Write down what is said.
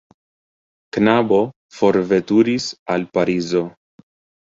Knabo forveturis al Parizo.